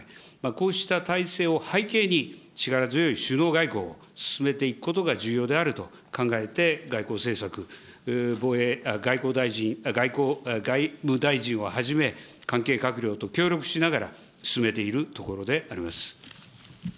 こうした体制を背景に、力強い首脳外交を進めていくことが重要であると考えて外交政策、外務大臣をはじめ、関係閣僚と協力しながら、進めているところであります。